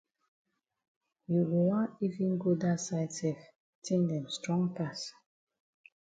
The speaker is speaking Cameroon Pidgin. You go wan even go dat side sef tin dem strong pass.